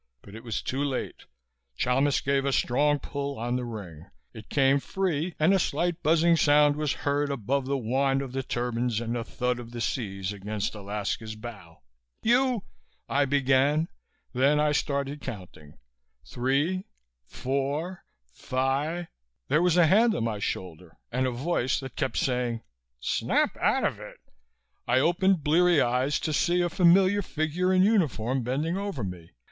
But it was too late. Chalmis gave a strong pull on the ring. It came free and a slight buzzing sound was heard above the whine of the turbines and the thud of the seas against Alaska's bow. "You " I began. Then I started counting: "Three four fi "....There was a hand on my shoulder and a voice that kept saying, "Snap out of it!" I opened bleary eyes to see a familiar figure in uniform bending over me.